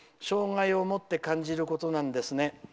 障害を持って感じることなんですね。